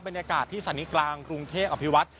บรรยากาศที่สถานีกลางกรุงเทพอภิวัต